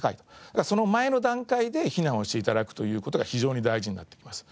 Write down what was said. だからその前の段階で避難をして頂くという事が非常に大事になってきます。